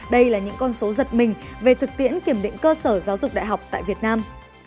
đây là những con số giật mình về thực tiễn kiểm định cơ sở giáo dục đại học tại việt nam